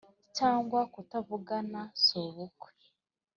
cyangwa kutavugana sobukwe